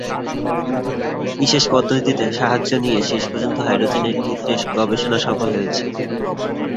বিশেষ পদ্ধতির সাহায্য নিয়ে শেষ পর্যন্ত হাইড্রোজেনের ক্ষেত্রে গবেষণা সফল হয়েছে।